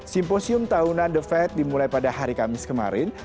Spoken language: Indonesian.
simposium tahunan the fed dimulai pada hari kamis kemarin